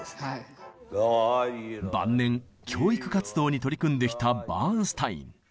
晩年教育活動に取り組んできたバーンスタイン。